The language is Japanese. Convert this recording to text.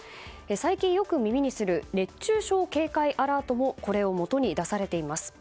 最近よく耳にする熱中症警戒アラートもこれをもとに出されています。